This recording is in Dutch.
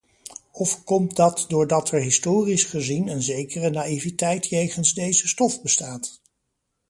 Of komt dat doordat er historisch gezien een zekere naïviteit jegens deze stof bestaat?